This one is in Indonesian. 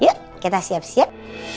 yuk kita siap siap